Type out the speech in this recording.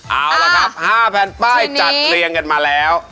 เอาละครับ๕แผ่นป้ายจัดเรียงกันมาแล้ว